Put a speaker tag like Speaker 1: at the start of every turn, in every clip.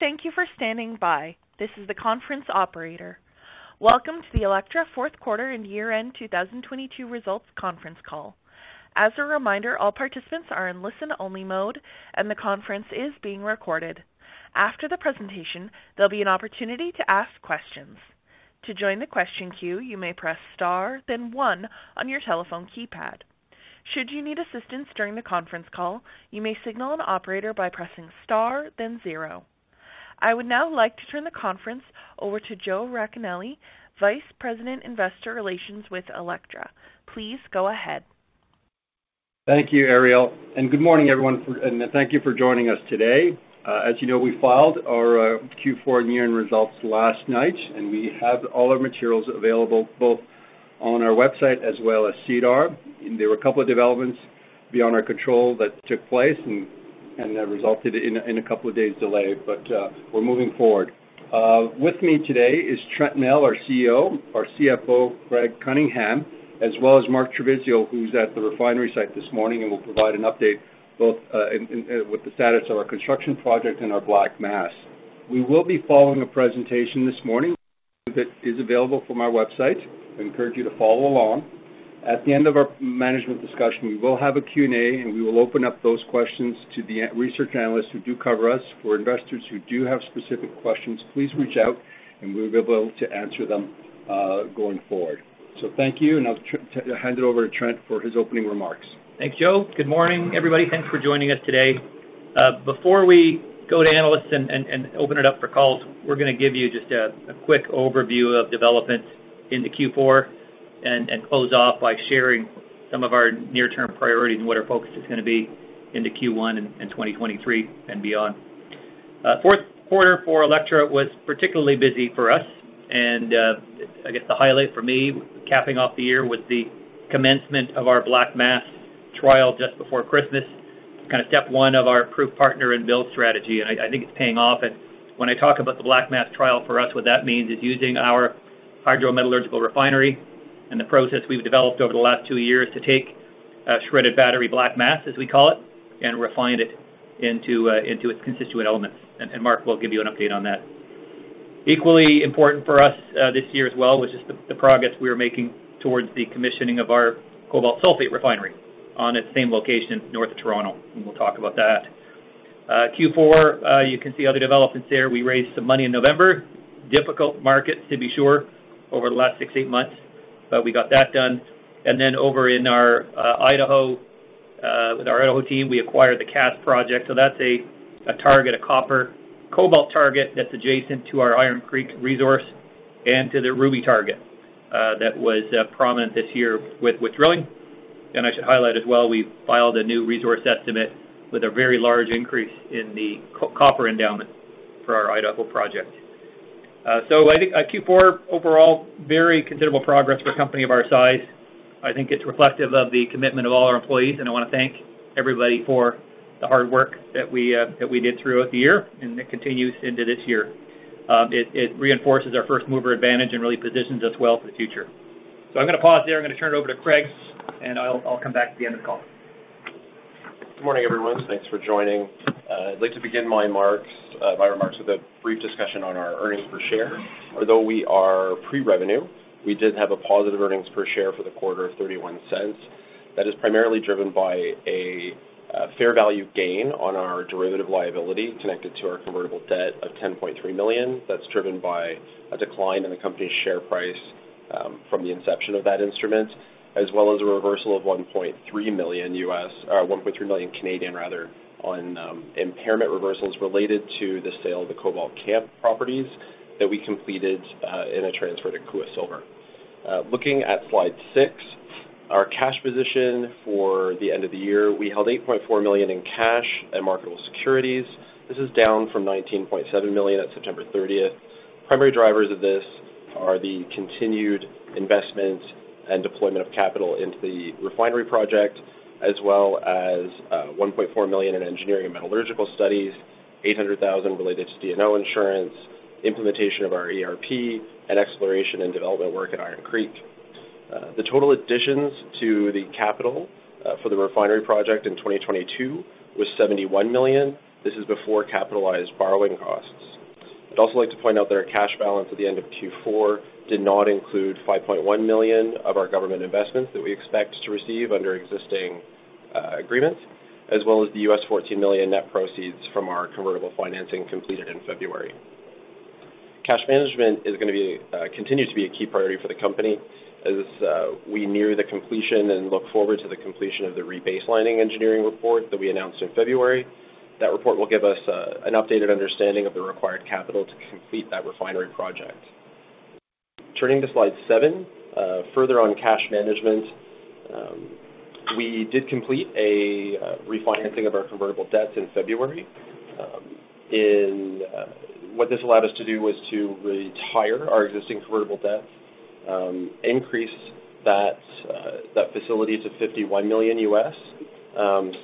Speaker 1: Thank you for standing by. This is the conference operator. Welcome to the Electra fourth quarter and year-end 2022 results conference call. As a reminder, all participants are in listen-only mode, and the conference is being recorded. After the presentation, there'll be an opportunity to ask questions. To join the question queue, you may press star, then one on your telephone keypad. Should you need assistance during the conference call, you may signal an operator by pressing Star, then zero. I would now like to turn the conference over to Joe Racanelli, Vice President, Investor Relations with Electra. Please go ahead.
Speaker 2: Thank you, Ariel, good morning, everyone. Thank you for joining us today. As you know, we filed our Q4 and year-end results last night, and we have all our materials available both on our website as well as SEDAR. There were a couple of developments beyond our control that took place and that resulted in a couple of days delay, but, we're moving forward. With me today is Trent Mell, our CEO, our CFO, Craig Cunningham, as well as Mark Trevisiol, who's at the refinery site this morning and will provide an update both with the status of our construction project and our black mass. We will be following a presentation this morning that is available from our website. I encourage you to follow along. At the end of our management discussion, we will have a Q&A, and we will open up those questions to the research analysts who do cover us. For investors who do have specific questions, please reach out, and we'll be able to answer them going forward. Thank you, and I'll hand it over to Trent for his opening remarks.
Speaker 3: Thanks, Joe. Good morning, everybody. Thanks for joining us today. Before we go to analysts and open it up for calls, we're gonna give you just a quick overview of developments into Q4 and close off by sharing some of our near-term priorities and what our focus is gonna be into Q1 in 2023 and beyond. Fourth quarter for Electra was particularly busy for us, and I guess the highlight for me, capping off the year, was the commencement of our black mass trial just before Christmas, kind of step one of our proof, partner, and build strategy, and I think it's paying off. When I talk about the black mass trial, for us, what that means is using our hydrometallurgical refinery and the process we've developed over the last two years to take shredded battery black mass, as we call it, and refine it into its constituent elements. Mark will give you an update on that. Equally important for us this year as well, which is the progress we are making towards the commissioning of our cobalt sulfate refinery on its same location north of Toronto, and we'll talk about that. Q4, you can see other developments there. We raised some money in November. Difficult market to be sure over the last six, eight months, but we got that done. Then over in our Idaho, with our Idaho team, we acquired the CAS project, so that's a target, a copper cobalt target that's adjacent to our Iron Creek resource and to the Ruby target, that was prominent this year with drilling. I should highlight as well, we filed a new resource estimate with a very large increase in the cobalt-copper endowment for our Idaho project. I think Q4 overall, very considerable progress for a company of our size. I think it's reflective of the commitment of all our employees, and I wanna thank everybody for the hard work that we that we did throughout the year, and it continues into this year. It reinforces our first-mover advantage and really positions us well for the future. I'm gonna pause there. I'm gonna turn it over to Craig, and I'll come back at the end of the call.
Speaker 4: Good morning, everyone. Thanks for joining. I'd like to begin my remarks with a brief discussion on our earnings per share. Although we are pre-revenue, we did have a positive earnings per share for the quarter of 0.31. That is primarily driven by a fair value gain on our derivative liability connected to our convertible debt of 10.3 million. That's driven by a decline in the company's share price from the inception of that instrument, as well as a reversal of $1.3 million, or 1.3 million rather, on impairment reversals related to the sale of the Cobalt Camp properties that we completed in a transfer to Kuya Silver. Looking at slide seven, our cash position for the end of the year, we held 8.4 million in cash and marketable securities. This is down from $19.7 million at September 30th. Primary drivers of this are the continued investment and deployment of capital into the refinery project, as well as $1.4 million in engineering and metallurgical studies, $800,000 related to D&O insurance, implementation of our ERP, and exploration and development work at Iron Creek. The total additions to the capital for the refinery project in 2022 was $71 million. This is before capitalized borrowing costs. I'd also like to point out that our cash balance at the end of Q4 did not include $5.1 million of our government investments that we expect to receive under existing agreements, as well as the $14 million net proceeds from our convertible financing completed in February. Cash management is gonna be, continues to be a key priority for the company as we near the completion and look forward to the completion of the rebaselining engineering report that we announced in February. That report will give us an updated understanding of the required capital to complete that refinery project. Turning to slide seven, further on cash management, we did complete a refinancing of our convertible debts in February. What this allowed us to do was to retire our existing convertible debt, increase that facility to $51 million,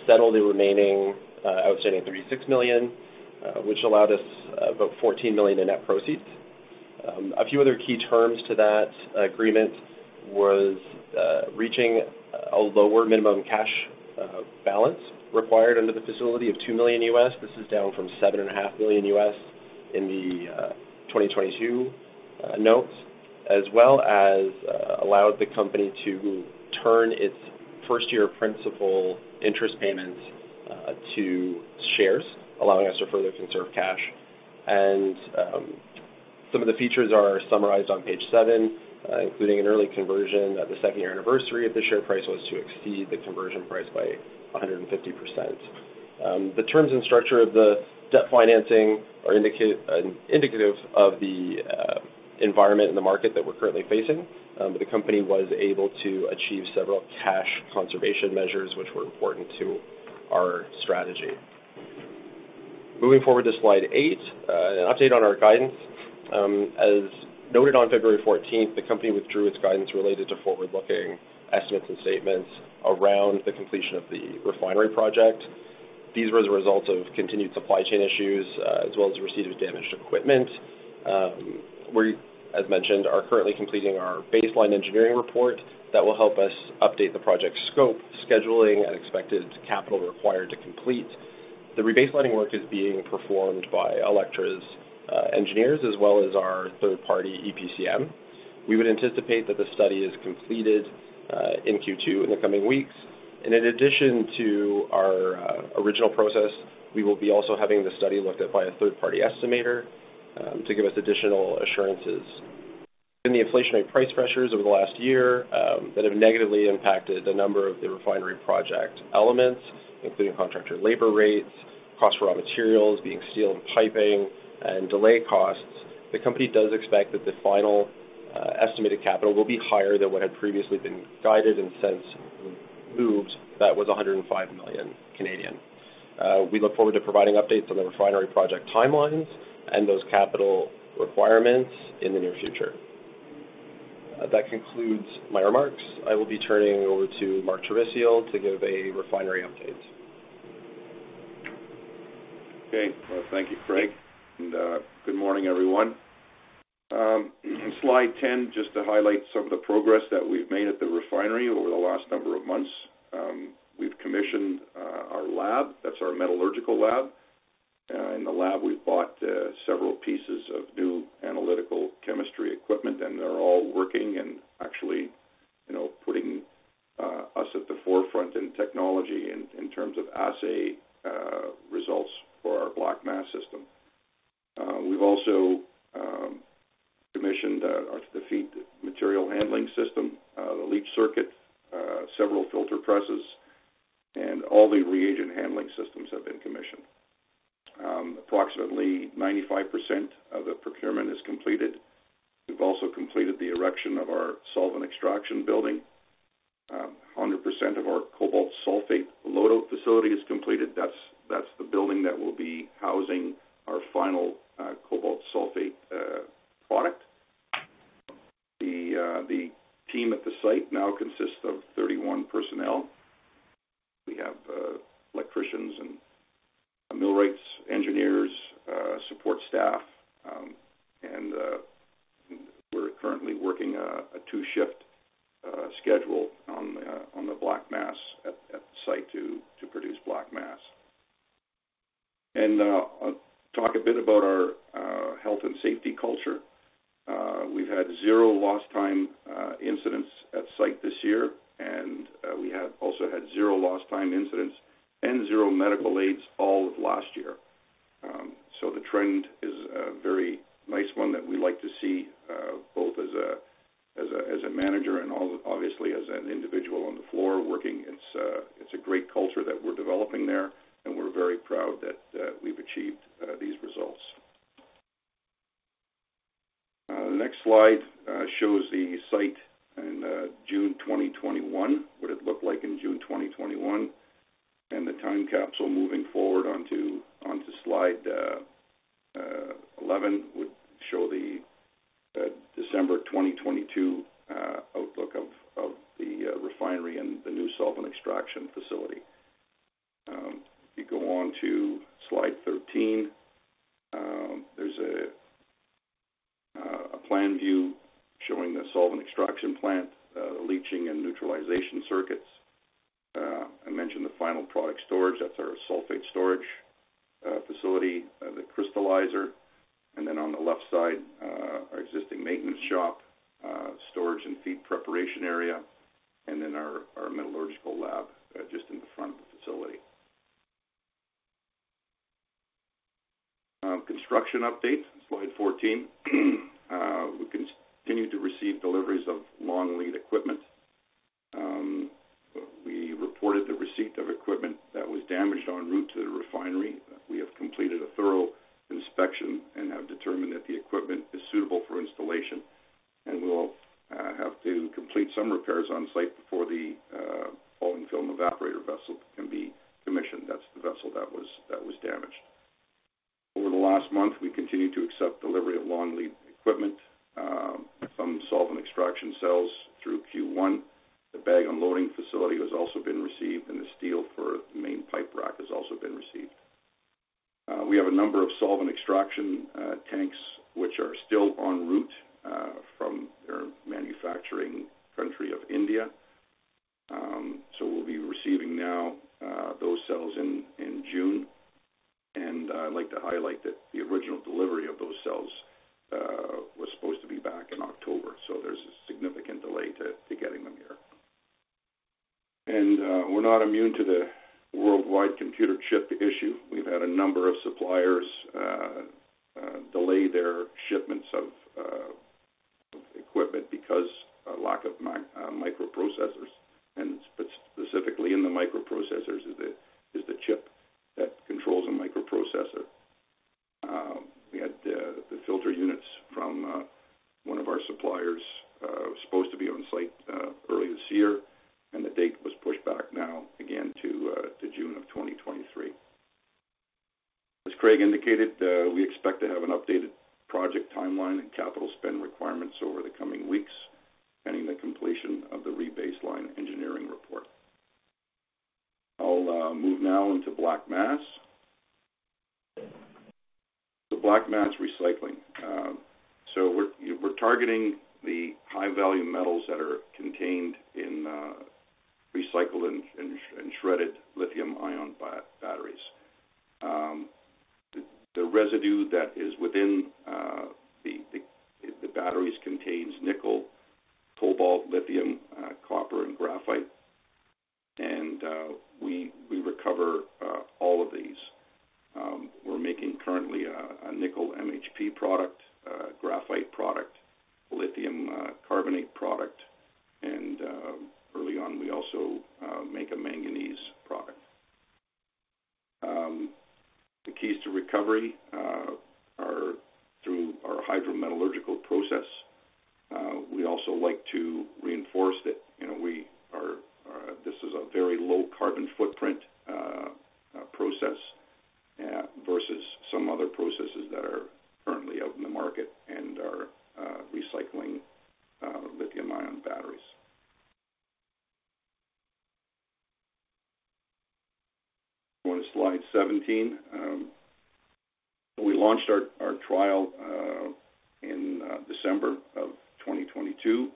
Speaker 4: settle the remaining outstanding $36 million, which allowed us about $14 million in net proceeds. A few other key terms to that agreement was reaching a lower minimum cash balance required under the facility of $2 million. This is down from $7.5 million in the 2022 notes, as well as allowed the company to turn its first year principal interest payments to shares, allowing us to further conserve cash. Some of the features are summarized on page seven, including an early conversion at the second year anniversary if the share price was to exceed the conversion price by 150%. The terms and structure of the debt financing are indicative of the environment in the market that we're currently facing. The company was able to achieve several cash conservation measures which were important to our strategy. Moving forward to slide 8, an update on our guidance. As noted on February 14th, the company withdrew its guidance related to forward-looking estimates and statements around the completion of the refinery project. These were as a result of continued supply chain issues, as well as the receipt of damaged equipment. We, as mentioned, are currently completing our baseline engineering report that will help us update the project scope, scheduling, and expected capital required to complete. The rebaselining work is being performed by Electra's engineers as well as our third-party EPCM. We would anticipate that the study is completed in Q2 in the coming weeks. In addition to our original process, we will be also having the study looked at by a third-party estimator, to give us additional assurances. Given the inflationary price pressures over the last year, that have negatively impacted a number of the refinery project elements, including contractor labor rates, cost for raw materials, the steel and piping, and delay costs, the company does expect that the final estimated capital will be higher than what had previously been guided and since moved. That was 105 million. We look forward to providing updates on the refinery project timelines and those capital requirements in the near future. That concludes my remarks. I will be turning over to Mark Trevisiol to give a refinery update.
Speaker 5: Okay. Well, thank you, Craig, good morning, everyone. Slide 10, just to highlight some of the progress that we've made at the refinery over the last number of months. We've commissioned our lab, that's our metallurgical lab. In the lab, we've bought several pieces of new analytical chemistry equipment, they're all working and actually, you know, putting us at the forefront in technology in terms of assay results for our black mass system. We've also commissioned the feed material handling system, the leach circuit, several filter presses, all the reagent handling systems have been commissioned. Approximately 95% of the procurement is completed. We've also completed the erection of our solvent extraction building. A 100% of our cobalt sulfate load-out facility is completed. That's the building that will be housing our final cobalt sulfate product. The team at the site now consists of 31 personnel. We have electricians and millwrights engineers, support staff, and we're currently working a two-shift schedule on the black mass at the site to produce black mass. I'll talk a bit about our health and safety culture. We've had zero lost time incidents at site this year, and we have also had zero lost time incidents and zero medical aids all of last year. The trend is a very nice one that we like to see, both as a manager and obviously as an individual on the floor working. It's, it's a great culture that we're developing there, and we're very proud that we've achieved these results. The next slide shows the site in June 2021, what it looked like in June 2021. The time capsule moving forward onto slide 11 would show the December 2022 outlook of the refinery and the new solvent extraction facility. If you go on to slide 13, there's a plan view showing the solvent extraction plant, the leaching and neutralization circuits. I mentioned the final product storage. That's our sulfate storage facility, the crystallizer. On the left side, our existing maintenance shop, storage and feed preparation area, then our metallurgical lab just in the front of the facility. Construction update, slide 14. We continued to receive deliveries of long lead equipment. We reported the receipt of equipment that was damaged en route to the refinery. We have completed a thorough inspection and have determined that the equipment is suitable for installation, and we will have to complete some repairs on site before the falling film evaporator vessel can be commissioned. That's the vessel that was damaged. Over the last month, we continued to accept delivery of long lead equipment, some solvent extraction cells through Q1. The bag unloading facility has also been received, and the steel for the main pipe rack has also been received. We have a number of solvent extraction tanks which are still en route from their manufacturing country of India. We'll be receiving now those cells in June. I'd like to highlight that the original delivery of those cells was supposed to be back in October, so there's a significant delay to getting them here. We're not immune to the worldwide computer chip issue. We've had a number of suppliers delay their shipments of equipment because a lack of microprocessors, and specifically in the microprocessors is the chip that controls a microprocessor. We had the filter units from one of our suppliers was supposed to be on site early this year, and the date was pushed back now again to June of 2023. As Craig indicated, we expect to have an updated project timeline and capital spend requirements over the coming weeks pending the completion of the rebaseline engineering report. I'll move now into black mass. The black mass recycling. We're targeting the high-value metals that are contained in recycled and shredded lithium-ion batteries. The residue that is within the batteries contains nickel, cobalt, lithium, copper, and graphite, and we recover all of these. We're making currently a nickel MHP product, a graphite product, lithium carbonate product, and early on we also make a manganese product. The keys to recovery are through our hydrometallurgical process. We also like to reinforce that, you know, we are this is a very low carbon footprint process versus some other processes that are currently out in the market and are recycling lithium-ion batteries. Go to slide 17. We launched our trial in December of 2022.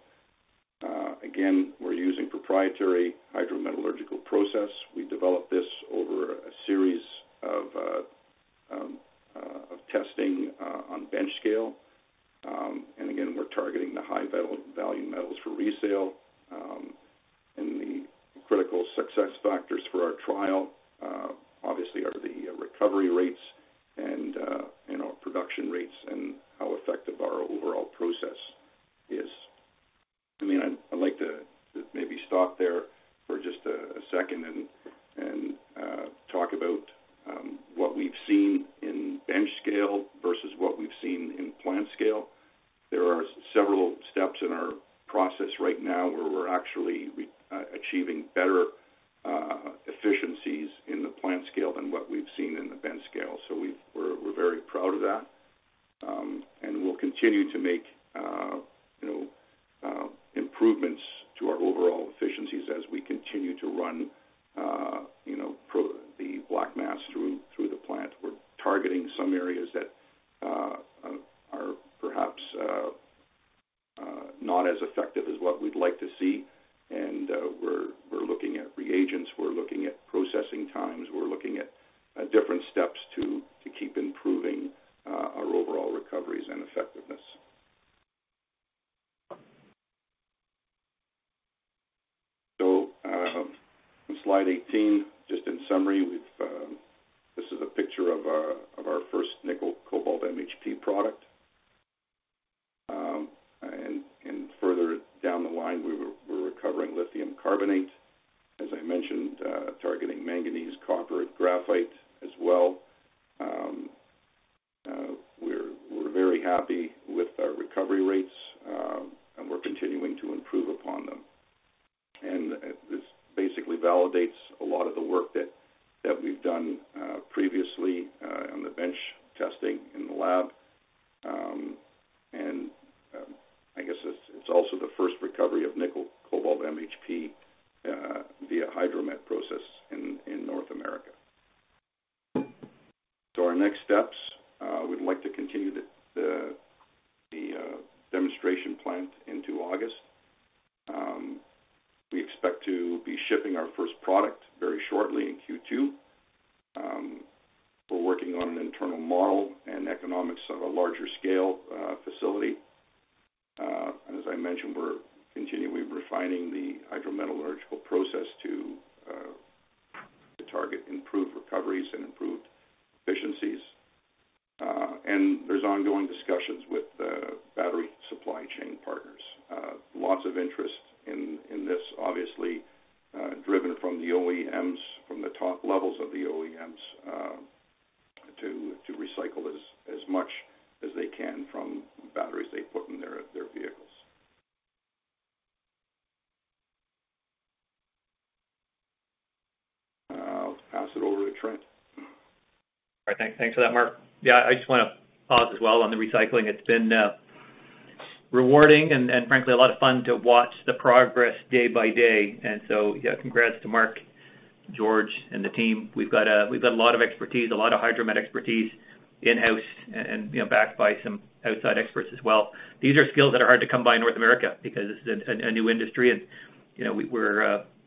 Speaker 5: Again, we're using proprietary hydrometallurgical process. We developed this over a series of testing on bench scale. Again, we're targeting the high-value metals for resale. The critical success factors for our trial obviously are the recovery rates and, you know, production rates and how effective our overall process is. I mean, I'd like to maybe stop there for just a second and talk about what we've seen in bench scale versus what we've seen in plant scale. There are several steps in our process right now where we're actually achieving better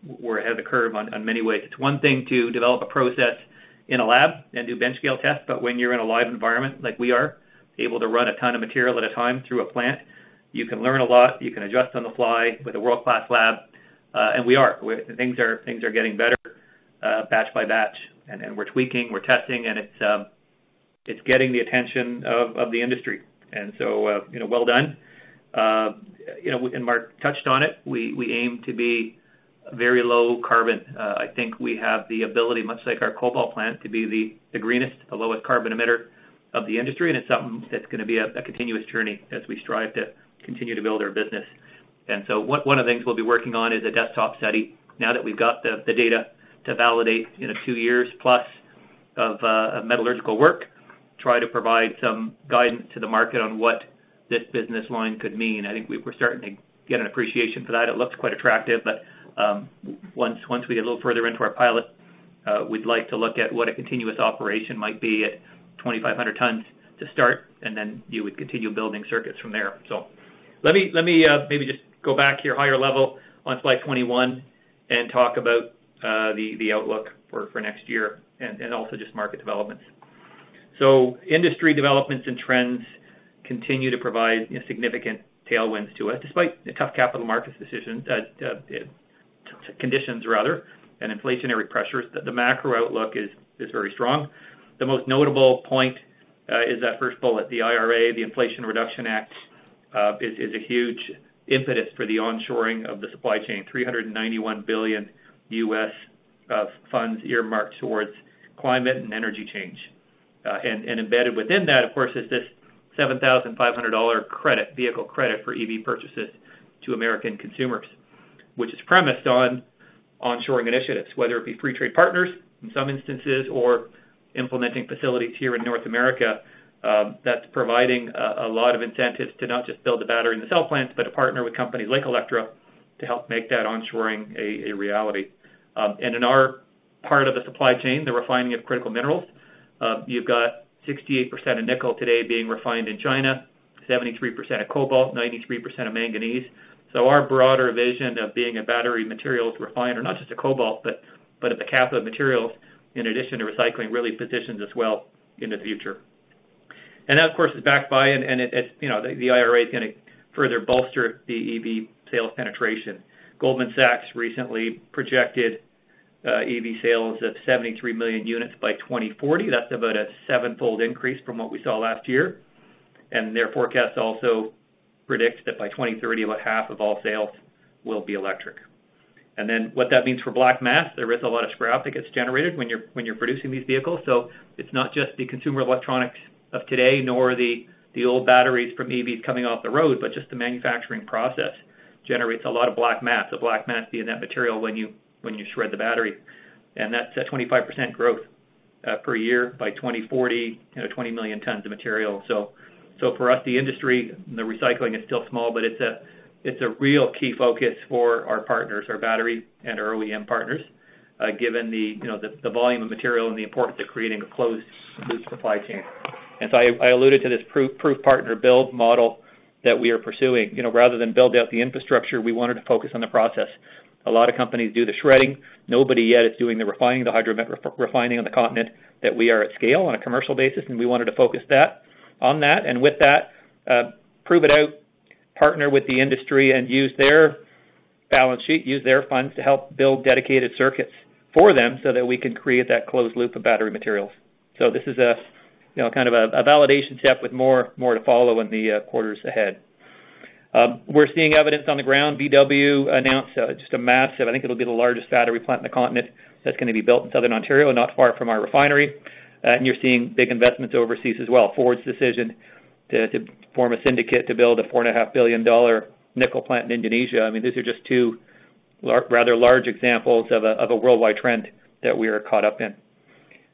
Speaker 3: we're ahead of the curve on many ways. It's one thing to develop a process in a lab and do bench scale tests, but when you're in a live environment like we are, able to run a ton of material at a time through a plant, you can learn a lot, you can adjust on the fly with a world-class lab, and we are. Things are getting better, batch by batch, and we're tweaking, we're testing, and it's getting the attention of the industry. You know, well done. You know, and Mark touched on it, we aim to be very low carbon. I think we have the ability, much like our cobalt plant, to be the greenest, the lowest carbon emitter of the industry, and it's something that's gonna be a continuous journey as we strive to continue to build our business. One of the things we'll be working on is a desktop study now that we've got the data to validate, you know, two years plus of metallurgical work, try to provide some guidance to the market on what this business line could mean. I think we're starting to get an appreciation for that. It looks quite attractive. Once we get a little further into our pilot, we'd like to look at what a continuous operation might be at 2,500 tons to start, and then you would continue building circuits from there. Let me maybe just go back to your higher level on slide 21 and talk about the outlook for next year and also just market developments. Industry developments and trends continue to provide significant tailwinds to us despite the tough capital markets conditions rather, and inflationary pressures. The macro outlook is very strong. The most notable point is that first bullet, the IRA, the Inflation Reduction Act, is a huge impetus for the onshoring of the supply chain, $391 billion funds earmarked towards climate and energy change. Embedded within that, of course, is this $7,500 credit, vehicle credit for EV purchases to American consumers, which is premised on onshoring initiatives, whether it be free trade partners in some instances or implementing facilities here in North America, that's providing a lot of incentives to not just build the battery and the cell plants, but to partner with companies like Electra to help make that onshoring a reality. In our part of the supply chain, the refining of critical minerals, you've got 68% of nickel today being refined in China, 73% of cobalt, 93% of manganese. Our broader vision of being a battery materials refiner, not just a cobalt, but of the cathode materials in addition to recycling, really positions us well in the future. That of course is backed by it. You know, the IRA is gonna further bolster the EV sales penetration. Goldman Sachs recently projected EV sales of 73 million units by 2040. That's about a sevenfold increase from what we saw last year. Their forecast also predicts that by 2030, about half of all sales will be electric. What that means for black mass, there is a lot of scrap that gets generated when you're producing these vehicles. It's not just the consumer electronics of today, nor the old batteries from EVs coming off the road, but just the manufacturing process generates a lot of black mass. The black mass being that material when you shred the battery. That's at 25% growth per year. By 2040, you know, 20 million tons of material. For us, the industry, the recycling is still small, but it's a real key focus for our partners, our battery and our OEM partners, given the, you know, the volume of material and the importance of creating a closed supply chain. I alluded to this pro-proof partner build model that we are pursuing. You know, rather than build out the infrastructure, we wanted to focus on the process. A lot of companies do the shredding. Nobody yet is doing the refining, the hydromet refining on the continent that we are at scale on a commercial basis, we wanted to focus on that. With that, prove it out, partner with the industry and use their balance sheet, use their funds to help build dedicated circuits for them so that we can create that closed loop of battery materials. This is a, you know, kind of a validation step with more to follow in the quarters ahead. We're seeing evidence on the ground. VW announced just a massive, I think it'll be the largest battery plant in the continent that's gonna be built in Southern Ontario, not far from our refinery. You're seeing big investments overseas as well. Ford's decision to form a syndicate to build a 4.5 billion dollar nickel plant in Indonesia. I mean, these are just two rather large examples of a worldwide trend that we are caught up in.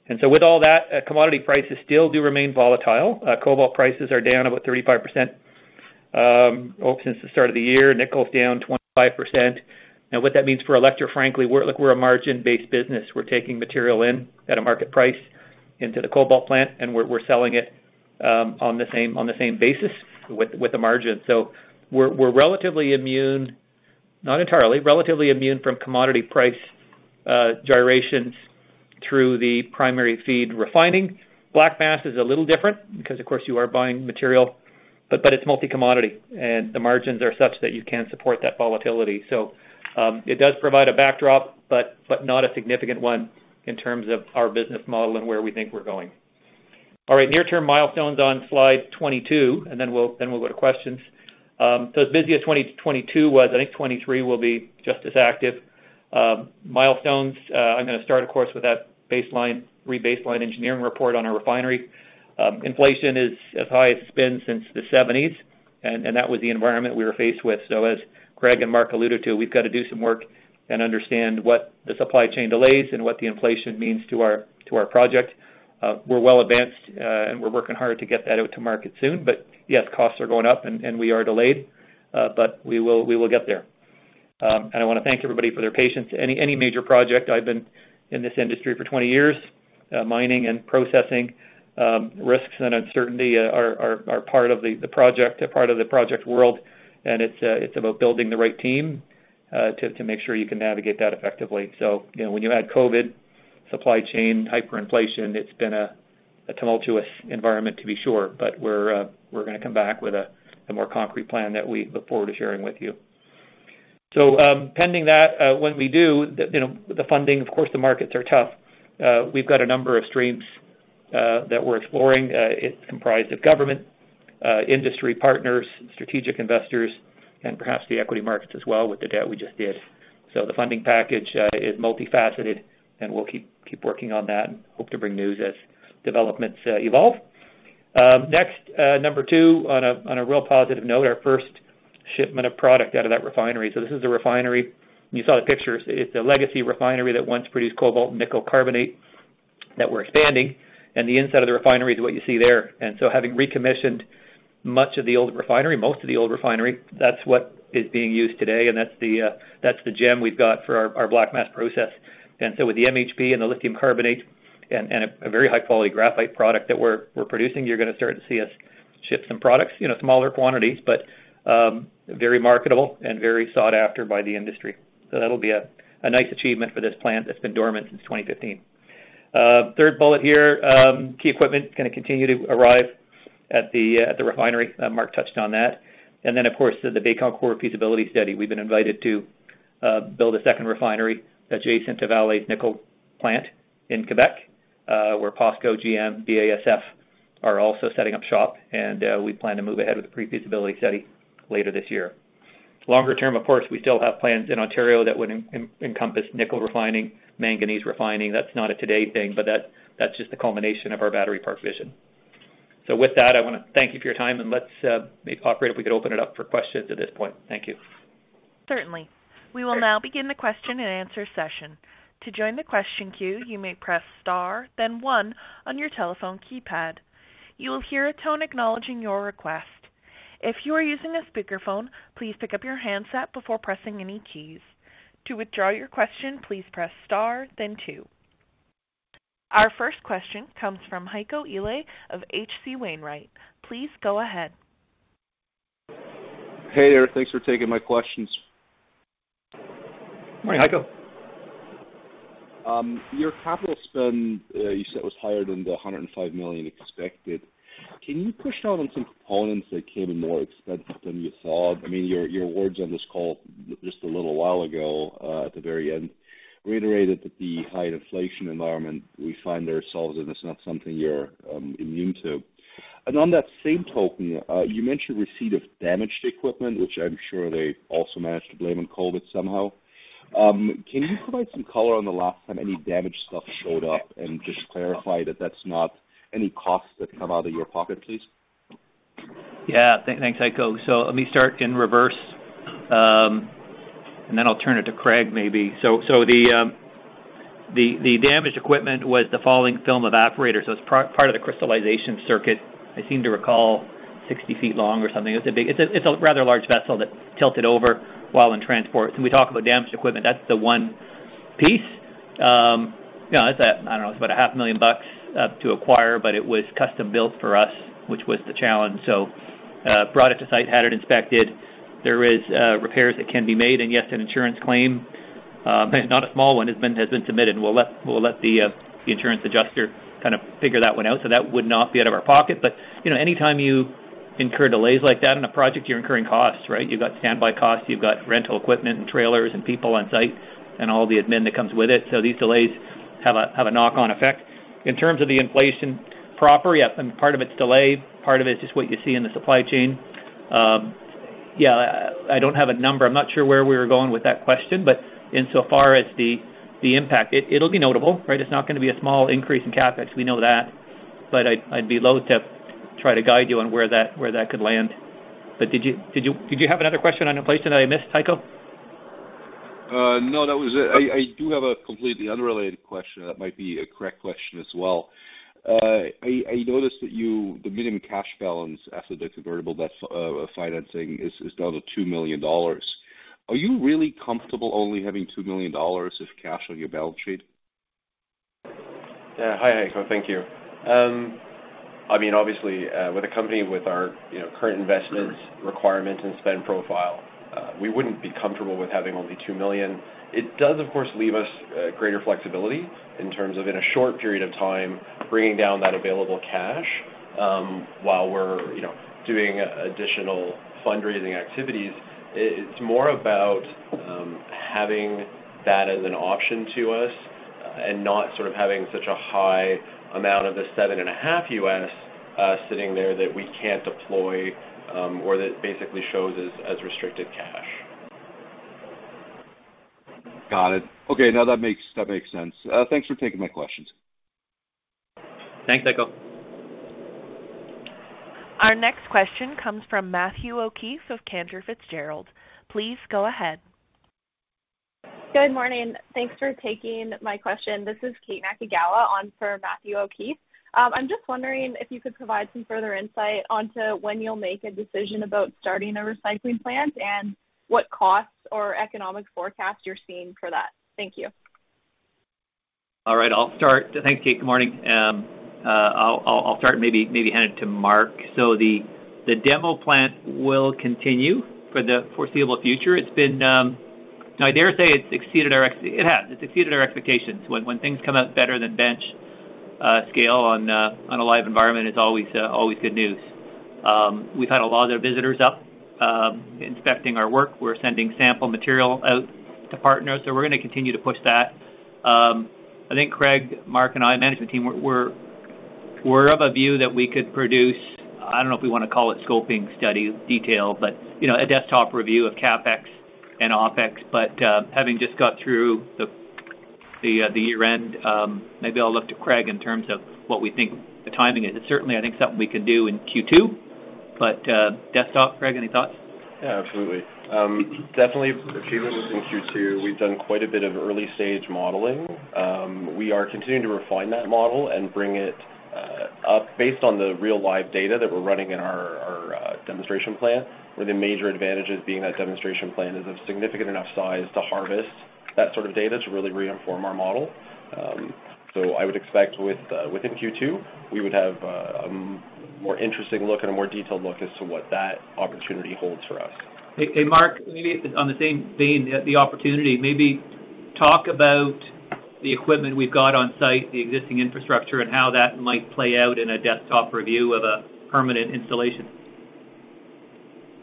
Speaker 3: With all that, commodity prices still do remain volatile. Cobalt prices are down about 35%, well, since the start of the year. Nickel's down 25%. What that means for Electra, frankly, look, we're a margin-based business. We're taking material in at a market price into the cobalt plant, and we're selling it on the same basis with a margin. We're relatively immune, not entirely, relatively immune from commodity price gyrations through the primary feed refining. Black mass is a little different because, of course, you are buying material, but it's multi-commodity, and the margins are such that you can support that volatility. It does provide a backdrop, but not a significant one in terms of our business model and where we think we're going. All right, near-term milestones on slide 22, and then we'll go to questions. As busy as 2022 was, I think 2023 will be just as active. Milestones, I'm gonna start, of course, with that baseline, re-baseline engineering report on our refinery. Inflation is as high as it's been since the '70s, that was the environment we were faced with. As Greg and Mark alluded to, we've got to do some work and understand what the supply chain delays and what the inflation means to our project. We're well advanced, we're working hard to get that out to market soon. Yes, costs are going up and we are delayed, but we will get there. I wanna thank everybody for their patience. Any major project, I've been in this industry for 20 years, mining and processing, risks and uncertainty are part of the project, a part of the project world, and it's about building the right team to make sure you can navigate that effectively. You know, when you add COVID, supply chain, hyperinflation, it's been a tumultuous environment to be sure, we're gonna come back with a more concrete plan that we look forward to sharing with you. Pending that, when we do, you know, the funding, of course, the markets are tough. We've got a number of streams that we're exploring. It's comprised of government, industry partners, strategic investors, and perhaps the equity markets as well with the debt we just did. The funding package is multifaceted, and we'll keep working on that and hope to bring news as developments evolve. Next, number two, on a real positive note, our first shipment of product out of that refinery. This is a refinery. You saw the pictures. It's a legacy refinery that once produced cobalt nickel carbonate that we're expanding, and the inside of the refinery is what you see there. Having recommissioned much of the old refinery, most of the old refinery, that's what is being used today, and that's the gem we've got for our black mass process. With the MHP and the lithium carbonate and a very high quality graphite product that we're producing, you're gonna start to see us ship some products. You know, smaller quantities, but very marketable and very sought after by the industry. That'll be a nice achievement for this plant that's been dormant since 2015. Third bullet here, key equipment gonna continue to arrive at the refinery. Mark touched on that. Of course, the Baie-Comeau pre-feasibility study. We've been invited to build a second refinery adjacent to Vale's nickel plant in Quebec, where POSCO, GM, BASF are also setting up shop, and we plan to move ahead with the pre-feasibility study later this year. Longer term, of course, we still have plans in Ontario that would encompass nickel refining, manganese refining. That's not a today thing, but that's just the culmination of our battery park vision. With that, I wanna thank you for your time, and let's be operative. We could open it up for questions at this point. Thank you.
Speaker 1: Certainly. We will now begin the question-and-answer session. To join the question queue, you may press star then one on your telephone keypad. You will hear a tone acknowledging your request. If you are using a speakerphone, please pick up your handset before pressing any keys. To withdraw your question, please press star then two. Our first question comes from Heiko Ihle of H.C. Wainwright. Please go ahead.
Speaker 6: Hey there. Thanks for taking my questions.
Speaker 3: Hi, Heiko.
Speaker 6: Your CapEx, you said was higher than the 105 million expected. Can you push out on some components that came in more expensive than you thought? I mean, your words on this call just a little while ago, at the very end, reiterated that the high inflation environment we find ourselves in is not something you're immune to. On that same token, you mentioned receipt of damaged equipment, which I'm sure they also managed to blame on COVID somehow. Can you provide some color on the last time any damaged stuff showed up and just clarify that that's not any costs that come out of your pocket, please?
Speaker 3: Yeah. Thanks, Heiko. Let me start in reverse, and then I'll turn it to Craig maybe. The damaged equipment was the falling film evaporator, it's part of the crystallization circuit. I seem to recall 60 ft long or something. It's a rather large vessel that tilted over while in transport. When we talk about damaged equipment, that's the one piece. you know, it's a, I don't know, it's about a half million bucks to acquire, but it was custom built for us, which was the challenge. Brought it to site, had it inspected. There is repairs that can be made, and yes, an insurance claim, not a small one, has been submitted. We'll let the insurance adjuster kind of figure that one out, that would not be out of our pocket. You know, anytime you incur delays like that in a project, you're incurring costs, right? You've got standby costs, you've got rental equipment and trailers and people on site and all the admin that comes with it. These delays have a, have a knock-on effect. In terms of the inflation proper, I mean, part of it's delayed, part of it's just what you see in the supply chain. I don't have a number. I'm not sure where we were going with that question, but insofar as the impact, it'll be notable, right? It's not gonna be a small increase in CapEx. We know that. I'd be loathe to try to guide you on where that, where that could land. Did you have another question on inflation that I missed, Heiko?
Speaker 6: No, that was it. I do have a completely unrelated question that might be a Craig question as well. I noticed that you... the minimum cash balance after the convertible, that financing is down to $2 million. Are you really comfortable only having $2 million of cash on your balance sheet?
Speaker 4: Yeah. Hi, Heiko. Thank you. I mean, obviously, with a company with our, you know, current investments requirement and spend profile, we wouldn't be comfortable with having only $2 million. It does, of course, leave us greater flexibility in terms of in a short period of time, bringing down that available cash, while we're, you know, doing additional fundraising activities. It's more about having that as an option to us and not sort of having such a high amount of the $7.5 million sitting there that we can't deploy, or that basically shows as restricted cash.
Speaker 6: Got it. Okay. No, that makes sense. Thanks for taking my questions.
Speaker 3: Thanks, Heiko.
Speaker 1: Our next question comes from Matthew O'Keefe of Cantor Fitzgerald. Please go ahead.
Speaker 7: Good morning. Thanks for taking my question. This is Kate Ogawa on for Matthew O'Keefe. I'm just wondering if you could provide some further insight onto when you'll make a decision about starting a recycling plant and what costs or economic forecast you're seeing for that. Thank you.
Speaker 3: All right, I'll start. Thanks, Kate. Good morning. I'll start, maybe hand it to Mark. The demo plant will continue for the foreseeable future. It's been. It has. It's exceeded our expectations. When things come out better than bench scale on a live environment, it's always good news. We've had a lot of visitors up inspecting our work. We're sending sample material out to partners. We're gonna continue to push that. I think Craig, Mark, and I, management team, we're of a view that we could produce, I don't know if we wanna call it scoping study detail, but, you know, a desktop review of CapEx and OpEx. Having just got through the, the year-end, maybe I'll look to Craig in terms of what we think the timing is. It's certainly, I think, something we could do in Q2, but, desktop, Craig, any thoughts?
Speaker 4: Yeah, absolutely. Definitely achievable within Q2. We've done quite a bit of early-stage modeling. We are continuing to refine that model and bring it up based on the real live data that we're running in our demonstration plant, with the major advantages being that demonstration plant is of significant enough size to harvest that sort of data to really reinform our model. I would expect with within Q2, we would have a more interesting look and a more detailed look as to what that opportunity holds for us.
Speaker 3: Hey, hey, Mark, maybe on the same vein, the opportunity, maybe talk about the equipment we've got on site, the existing infrastructure, and how that might play out in a desktop review of a permanent installation.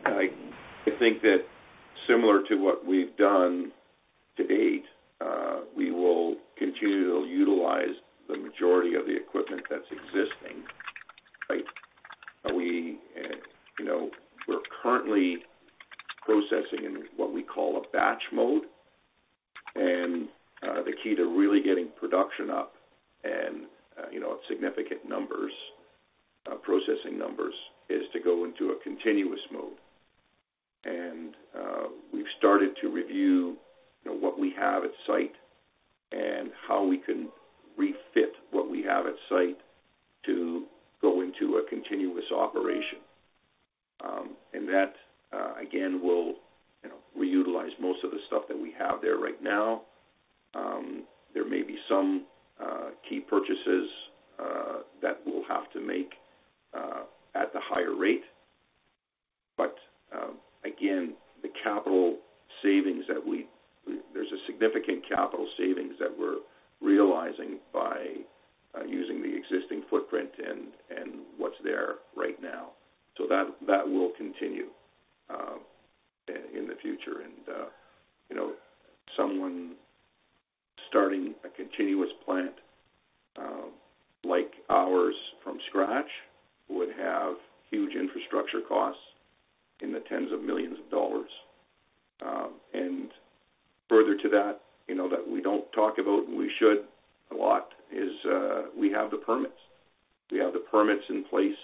Speaker 5: I think that similar to what we've done to date, we will continue to utilize the majority of the equipment that's existing, right? We, you know, we're currently processing in what we call a batch mode. The key to really getting production up and, you know, significant numbers, processing numbers, is to go into a continuous mode. We've started to review, you know, what we have at site and how we can refit what we have at site to go into a continuous operation. And that again, will, you know, reutilize most of the stuff that we have there right now. There may be some key purchases that we'll have to make at the higher rate. Again, the capital savings that we... ant capital savings that we're realizing by using the existing footprint and what's there right now. That will continue in the future. Someone starting a continuous plant like ours from scratch would have huge infrastructure costs in the tens of millions of dollars. And further to that, you know, that we don't talk about, and we should a lot, is we have the permits. We have the permits in place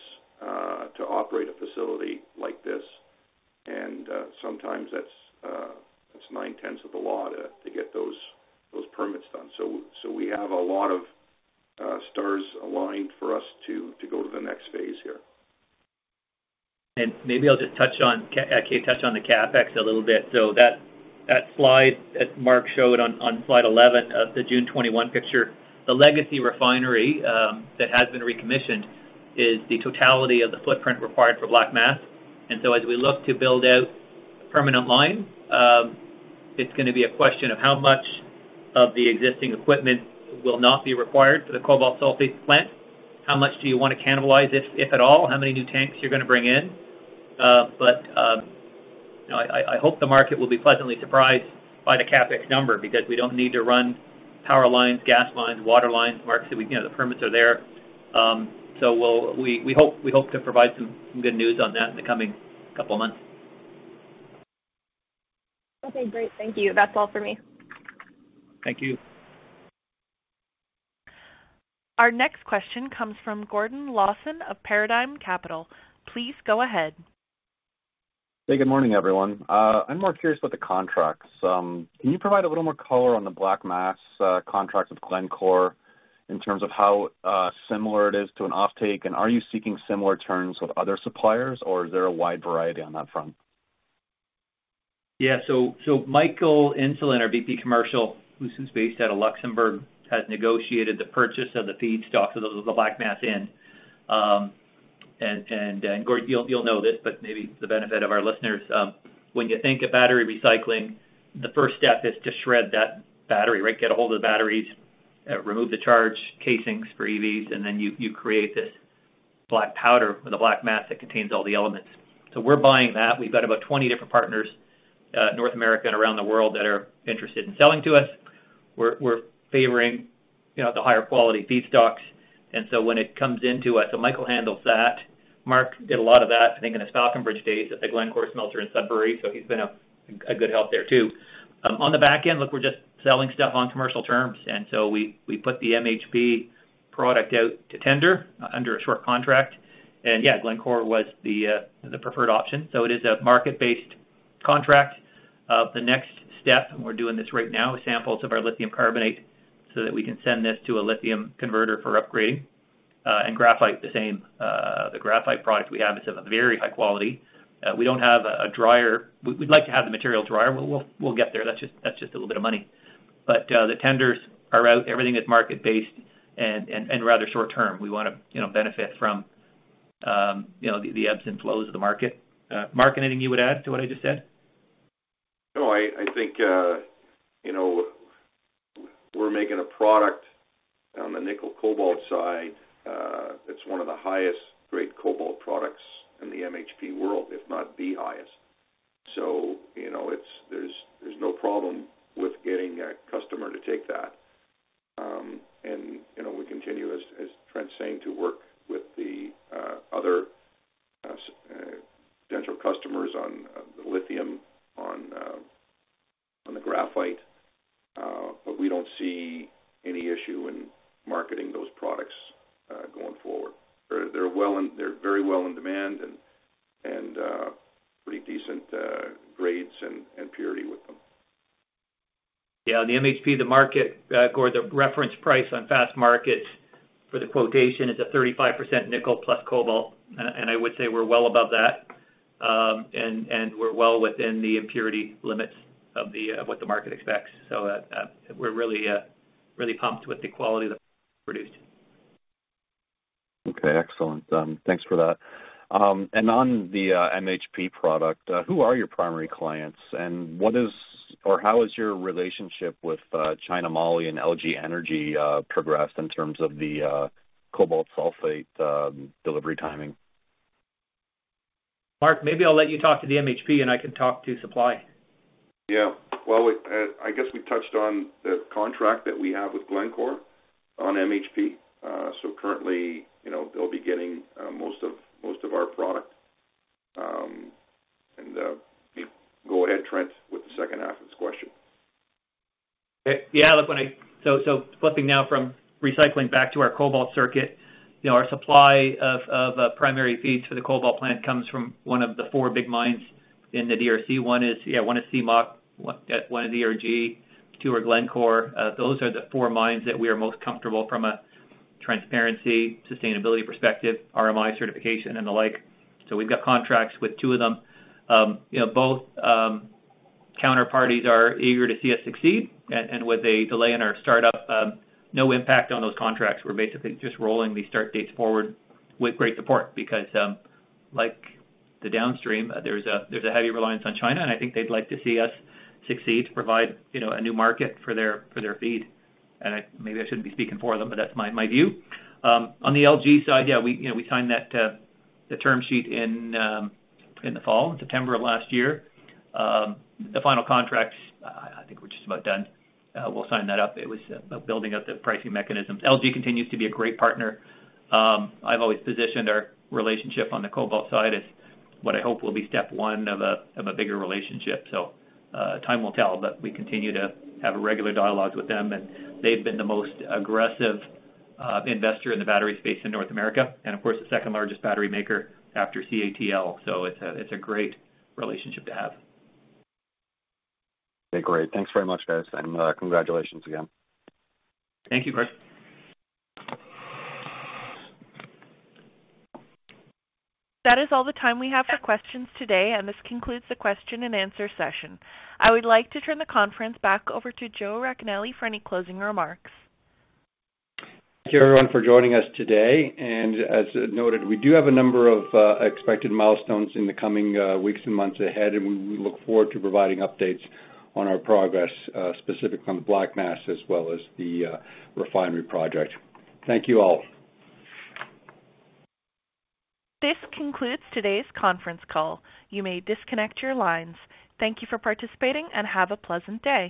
Speaker 5: to operate a facility like this. Sometimes that's nine-tenths of the law to get those permits done. We have a lot of stars aligned for us to go to the next phase here
Speaker 3: I'll just touch on Kate, touch on the CapEx a little bit. That slide that Mark showed on slide 11 of the June 21 picture, the legacy refinery that has been recommissioned is the totality of the footprint required for black mass. As we look to build out a permanent line, it's gonna be a question of how much of the existing equipment will not be required for the cobalt sulfate plant. How much do you wanna cannibalize, if at all? How many new tanks you're gonna bring in? You know, I hope the market will be pleasantly surprised by the CapEx number because we don't need to run power lines, gas lines, water lines. Mark said you know, the permits are there. We'll... We hope to provide some good news on that in the coming couple of months.
Speaker 7: Okay, great. Thank you. That's all for me.
Speaker 3: Thank you.
Speaker 1: Our next question comes from Gordon Lawson of Paradigm Capital. Please go ahead.
Speaker 8: Hey, good morning, everyone. I'm more curious about the contracts. Can you provide a little more color on the black mass contract with Glencore in terms of how similar it is to an offtake? Are you seeking similar terms with other suppliers, or is there a wide variety on that front?
Speaker 3: Yeah. So Michael Insulan, our VP Commercial, who's based out of Luxembourg, has negotiated the purchase of the feedstock, so the black mass in. Gord, you'll know this, but maybe for the benefit of our listeners, when you think of battery recycling, the first step is to shred that battery, right? Get a hold of the batteries, remove the charge casings for EVs, and then you create this black powder or the black mass that contains all the elements. We're buying that. We've got about 20 different partners, North America and around the world that are interested in selling to us. We're favoring, you know, the higher quality feedstocks. When it comes into us. Michael handles that. Mark did a lot of that, I think, in his Falconbridge days at the Glencore smelter in Sudbury. He's been a good help there too. On the back end, look, we're just selling stuff on commercial terms. We put the MHP product out to tender under a short contract. Yeah, Glencore was the preferred option. It is a market-based contract. The next step, and we're doing this right now, samples of our lithium carbonate so that we can send this to a lithium converter for upgrading. Graphite the same. The graphite product we have is of a very high quality. We don't have a dryer. We'd like to have the material dryer. We'll get there. That's just a little bit of money. The tenders are out. Everything is market-based and rather short term. We wanna, you know, benefit from, you know, the ebbs and flows of the market. Mark, anything you would add to what I just said?
Speaker 5: I think, you know, we're making a product on the nickel cobalt side that's one of the highest grade cobalt products in the MHP world, if not the highest. You know, it's there's no problem with getting a customer to take that. You know, we continue, as Trent's saying, to work with the other potential customers on the lithium, on the graphite. We don't see any issue in marketing those products going forward. They're very well in demand and pretty decent grades and purity with them.
Speaker 3: Yeah. The MHP, the market, or the reference price on Fastmarkets for the quotation is a 35% nickel plus cobalt. I would say we're well above that. We're well within the impurity limits of what the market expects. We're really pumped with the quality that we produced.
Speaker 8: Okay, excellent. Thanks for that. On the MHP product, who are your primary clients and what is or how is your relationship with China Moly and LG Energy progressed in terms of the cobalt sulfate delivery timing?
Speaker 3: Mark, maybe I'll let you talk to the MHP, and I can talk to supply.
Speaker 5: Yeah. Well, I guess we've touched on the contract that we have with Glencore on MHP. Currently, you know, they'll be getting most of our product. Go ahead, Trent, with the second half of the question.
Speaker 3: Flipping now from recycling back to our cobalt circuit, you know, our supply of primary feed to the cobalt plant comes from one of the four big mines in the DRC. One is CMOC, one is ERG, two are Glencore. Those are the four mines that we are most comfortable from a transparency, sustainability perspective, RMI certification and the like. We've got contracts with two of them. You know, both counterparties are eager to see us succeed. With a delay in our startup, no impact on those contracts. We're basically just rolling the start dates forward with great support. Like the downstream, there's a, there's a heavy reliance on China, and I think they'd like to see us succeed to provide, you know, a new market for their, for their feed. I, maybe I shouldn't be speaking for them, but that's my view. On the LG side, yeah, we, you know, we signed that, the term sheet in the fall, September of last year. The final contracts, I think we're just about done. We'll sign that up. It was building out the pricing mechanisms. LG continues to be a great partner. I've always positioned our relationship on the cobalt side as what I hope will be step one of a, of a bigger relationship. Time will tell, but we continue to have a regular dialogue with them, and they've been the most aggressive investor in the battery space in North America, and of course, the second-largest battery maker after CATL. It's a great relationship to have.
Speaker 8: Okay, great. Thanks very much, guys, and congratulations again.
Speaker 3: Thank you, Gordon.
Speaker 1: That is all the time we have for questions today, and this concludes the question-and-answer session. I would like to turn the conference back over to Joe Racanelli for any closing remarks.
Speaker 2: Thank you, everyone, for joining us today. As noted, we do have a number of expected milestones in the coming weeks and months ahead, and we look forward to providing updates on our progress, specific on the black mass as well as the refinery project. Thank you all.
Speaker 1: This concludes today's conference call. You may disconnect your lines. Thank you for participating and have a pleasant day.